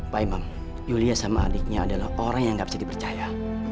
pak imam yulia sama adiknya adalah orang yang gak bisa dipercaya